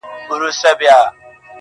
داسي وخت هم وو مور ويله راتــــــــــه.